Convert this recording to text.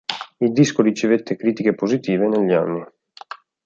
Il disco ricevette critiche positive negli anni.